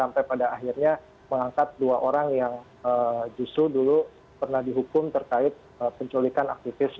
pada akhirnya mengangkat dua orang yang justru dulu pernah dihukum terkait penculikan aktivis sembilan puluh delapan sembilan puluh sembilan